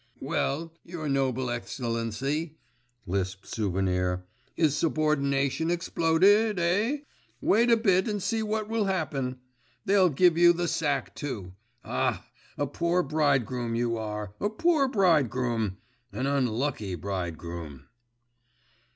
'Well, your noble Excellency,' lisped Souvenir, 'is subordination exploded, eh? Wait a bit and see what will happen! They'll give you the sack too. Ah, a poor bridegroom you are, a poor bridegroom, an unlucky bridegroom!